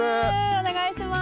お願いします。